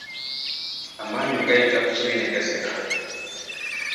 Amannyo gayita ku kibi ne gaseka.